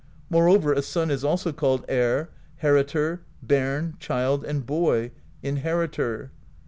Moreover, a son is also called Heir, Heritor, Bairn, Child and Boy, Inheritor.